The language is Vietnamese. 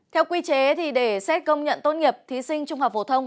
theo quy chế để xét công nhận tốt nghiệp thí sinh trung học phổ thông